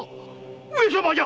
上様じゃ！